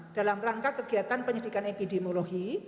dalam rangka kegiatan penyidikan epidemiologi